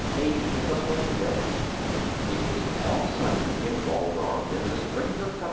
A PIVOTAL DAY. IT was Palm Sunday in Waldorf in the spring of 1777.